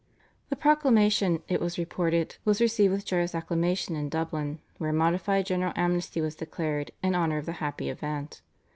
The proclamation, it was reported, was received with joyous acclamation in Dublin, where a modified general amnesty was declared in honour of the happy event.